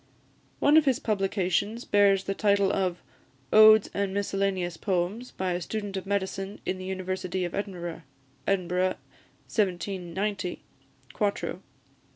One of his publications bears the title of "Odes and Miscellaneous Poems, by a Student of Medicine in the University of Edinburgh," Edinburgh, 1790, 4to.